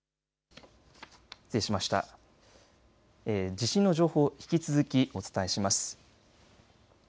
地震の情報を引き続き、お伝えします。